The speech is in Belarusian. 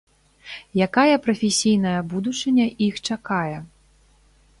Якая прафесійная будучыня іх чакае?